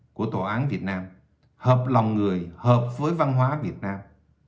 tổ chức của tổ án việt nam hợp lòng người hợp với văn hóa việt nam